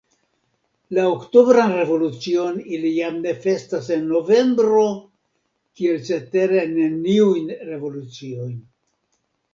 La oktobran revolucion ili jam ne festas en novembro, kiel cetere neniujn revoluciojn.